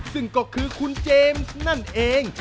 ซึ่งก็คือคุณเจมส์นั่นเอง